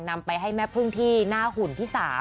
นำไปให้แม่พึ่งที่หน้าหุ่นที่๓